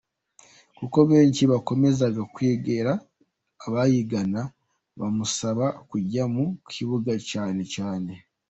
kuko benshi bakomezaga kwegera Bayingana bamusaba kujya mu kibuga cyane cyane.